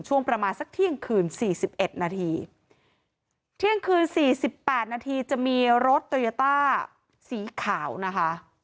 ช่วงประมาณสักเที่ยงคืนสี่สิบเอ็ดนาทีเที่ยงคืนสี่สิบแปดนาทีจะมีรถโตโยต้าสีขาวนะคะ